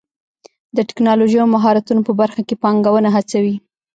د ټکنالوژۍ او مهارتونو په برخه کې پانګونه هڅوي.